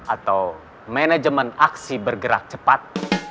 atau manajemen aksi bergerak cepat